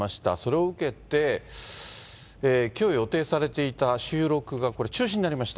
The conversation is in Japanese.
それを受けて、きょう予定されていた収録がこれ、中止になりました。